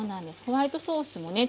ホワイトソースもね